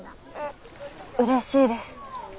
うれしいです。